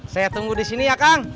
saya tunggu disini ya kang